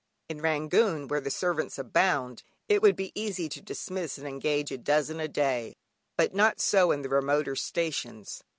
In Rangoon, where servants abound, it would be easy to dismiss and engage a dozen a day, but not so in the remoter stations.